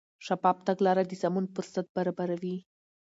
شفاف تګلاره د سمون فرصت برابروي.